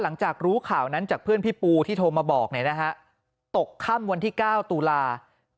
หลังจากรู้ข่าวนั้นจากเพื่อนพี่ปูที่โทรมาบอกตกค่ำวันที่๙ตุลาคม